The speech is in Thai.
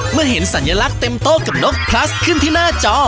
เมื่อเห็นสัญลักษณ์เต็มโต๊ะกับนกพลัสขึ้นที่หน้าจอ